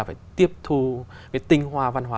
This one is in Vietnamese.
phải tiếp thu tinh hoa văn hóa